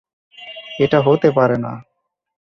এটা হতে পারে না!